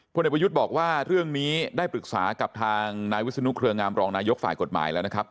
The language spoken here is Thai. เด็กประยุทธ์บอกว่าเรื่องนี้ได้ปรึกษากับทางนายวิศนุเครืองามรองนายกฝ่ายกฎหมายแล้วนะครับ